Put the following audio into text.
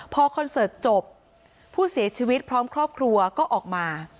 พอคอนเสิร์ตจบผู้เสียชีวิตพร้อมครอบครัวก็ออกมา